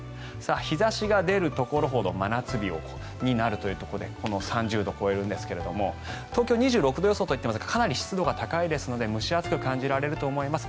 日差しが出るところほど真夏日になるということで３０度を超えるんですが東京は２６度予想といっていますがかなり湿度が高いですので蒸し暑く感じられると思います。